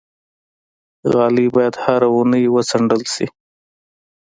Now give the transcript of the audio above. غالۍ باید هره اونۍ وڅنډل شي.